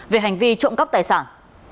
về hành vi trộm cắp tài sản